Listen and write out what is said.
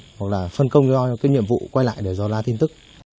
hoặc là phân công cho cái nhiệm vụ quay lại để dò la tin tức